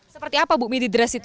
seperti apa bu midi dress itu